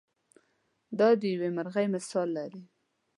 دا د یوې مرغۍ مثال لري.